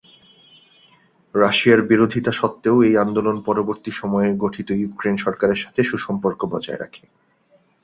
রাশিয়ার বিরোধিতা সত্ত্বেও, এই আন্দোলন পরবর্তী সময়ে গঠিত ইউক্রেন সরকারের সাথে সুসম্পর্ক বজায় রাখে।